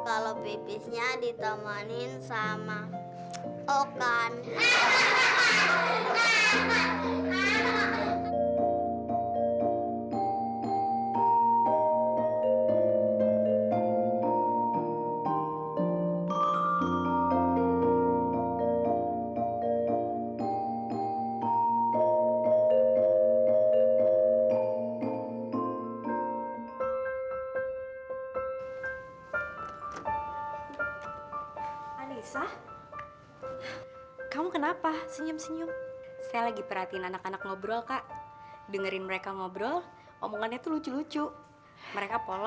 kambingnya kita ajak pipis dulu biar gak ngompor